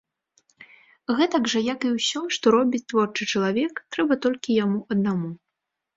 Гэтак жа, як і ўсё, што робіць творчы чалавек, трэба толькі яму аднаму.